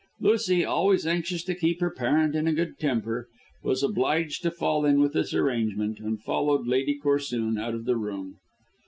Lucy, always anxious to keep her parent in a good temper, was obliged to fall in with this arrangement, and followed Lady Corsoon out of the room.